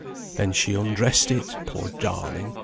Then she undressed it (poor darling!